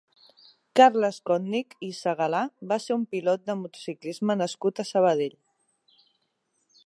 Carles Kotnik i Segalà va ser un pilot de motociclisme nascut a Sabadell.